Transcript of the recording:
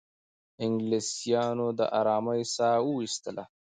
انګلیسیانو د آرامۍ ساه وایستله.